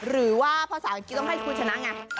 หรือว่าภาษาอังกี้ต้องให้คุณชนะไง